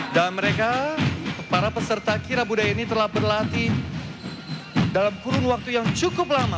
dan mereka para peserta kirabudaya ini telah berlatih dalam kurun waktu yang cukup lama